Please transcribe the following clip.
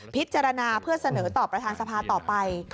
พิจารณาเพื่อเสนอต่อประธานสภาต่อไป